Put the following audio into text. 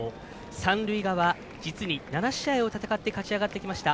三塁側、実に７試合を戦って勝ち上がってきました